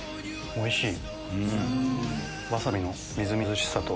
おいしい！